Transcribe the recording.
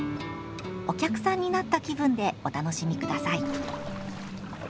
お客さんになった気分でお楽しみください。